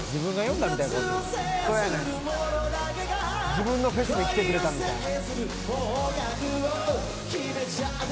自分のフェスに来てくれたみたいな。